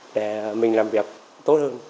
để mình làm việc tốt hơn